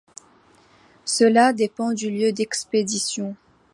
Cela dépend du lieu d’expédition.